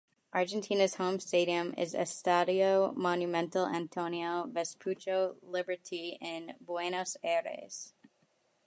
Argentina's home stadium is Estadio Monumental Antonio Vespucio Liberti in Buenos Aires.